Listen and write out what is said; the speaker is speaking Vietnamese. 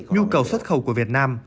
nhu cầu xuất khẩu của việt nam